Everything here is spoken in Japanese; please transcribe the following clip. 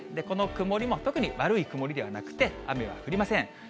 この曇りも特に悪い曇りではなくて、雨は降りません。